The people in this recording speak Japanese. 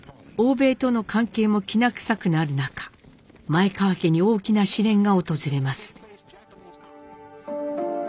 欧米との関係もきな臭くなる中前川家に大きな試練が訪れます。